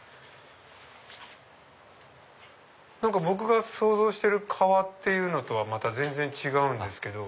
僕が想像してる革っていうのとはまた全然違うんですけど。